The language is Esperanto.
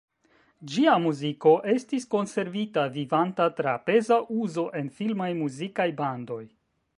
Ĝia muziko estis konservita vivanta tra peza uzo en filmaj muzikaj bandoj.